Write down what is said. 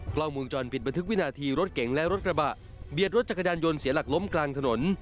กล้องวงจรปิดบันทึกวินาทีรถเก๋งและรถกระบะเบียดรถจักรยานยนต์เสียหลักล้มกลางถนน